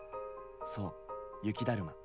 そう雪だるま。